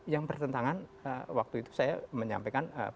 yang bertentangan waktu itu saya menyampaikan